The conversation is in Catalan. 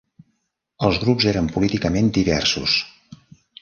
Els grups eren políticament diversos.